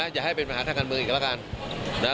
อย่าให้เป็นปัญหาทางการเมืองอีกกันแล้วกัน